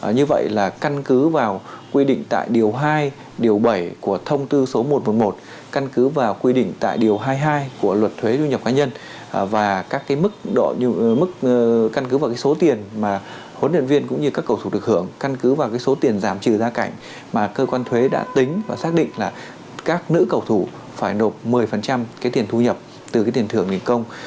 như vậy là căn cứ vào quy định tại điều hai điều bảy của thông tư số một trăm một mươi một căn cứ vào quy định tại điều hai mươi hai của luật thuế thu nhập cá nhân và các cái mức căn cứ vào cái số tiền mà huấn luyện viên cũng như các cầu thủ được hưởng căn cứ vào cái số tiền giảm trừ ra cảnh mà cơ quan thuế đã tính và xác định là các nữ cầu thủ phải nộp một mươi cái tiền thu nhập từ cái tiền thưởng nghìn công